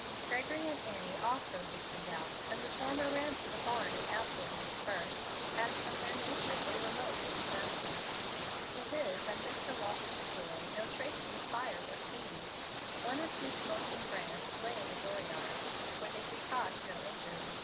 Gregory and Annie also hastened out, and the former ran to the barn and out buildings first, as from their nature they were most inflammable. To his and Mr. Walton's joy, no traces of fire were seen. One or two smoking brands lay in the door yard, where they could cause no injury.